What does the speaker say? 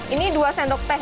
ini dua sendok teh